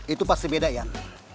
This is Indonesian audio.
itu pasti beda yan